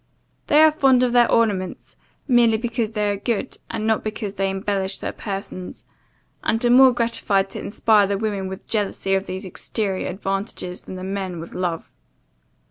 They are fond of their ornaments, merely because they are good, and not because they embellish their persons; and are more gratified to inspire the women with jealousy of these exterior advantages, than the men with love.